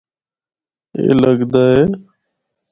اے لگدا اے۔